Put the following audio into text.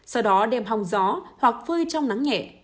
sau đó đem hòng gió hoặc phơi trong nắng nhẹ